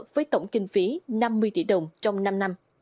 với tổng kinh phí năm mươi tỷ đồng trong năm năm